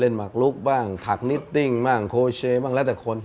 หมักลุกบ้างผักนิตติ้งบ้างโคเชบ้างแล้วแต่คน